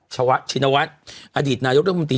ชาวชินวัชอดีตนายกลุ่มตี